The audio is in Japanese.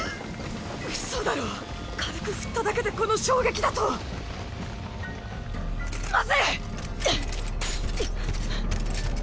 うそだろ軽く振っただけでこの衝撃だと⁉まずい！